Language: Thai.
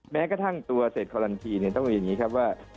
แม้กระทั่งตัวเศษคอลันทีต้องเรียนอย่างนี้ครับว่า